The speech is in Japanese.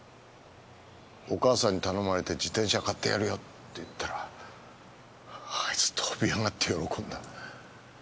お母さんに頼まれて自転車買ってやるよって言ったらあいつ跳び上がって喜んだ。